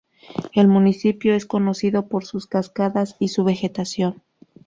El municipio es conocido por sus cascadas y su vegetación.